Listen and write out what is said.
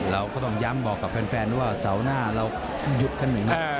เราก็ต้องย้ำบอกกับแฟนว่าเสาหน้าเราหยุดกันอย่างนี้